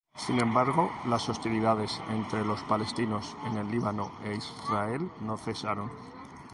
Sin embargo, las hostilidades entre los palestinos en el Líbano e Israel no cesaron.